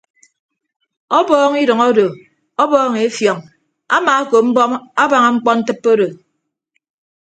Ọbọọñ idʌñ odo ọbọọñ efiọñ amaakop mbọm abaña mkpọntịppe odo.